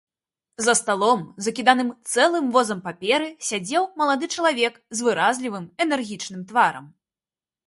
За сталом, закіданым цэлым возам паперы, сядзеў малады чалавек з выразлівым энергічным тварам.